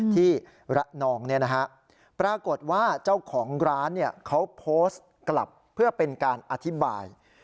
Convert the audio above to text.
ที่ระนองปรากฏว่าเจ้าของร้านเขาโพสต์กลับเพื่อเป็นการอธิบาย